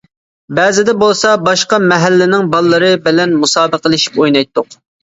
بەزىدە بولسا، باشقا مەھەللىنىڭ بالىلىرى بىلەن مۇسابىقىلىشىپ ئوينايتتۇق.